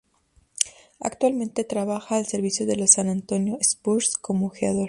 Actualmente, trabaja al servicio de los San Antonio Spurs como ojeador.